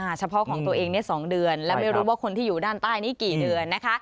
เฉพาะของตัวเองเนี้ยสองเดือนแล้วไม่รู้ว่าคนที่อยู่ด้านใต้นี้กี่เดือนนะคะ